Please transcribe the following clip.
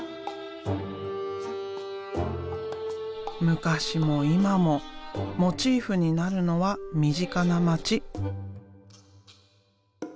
昔も今もモチーフになるのは身近な街。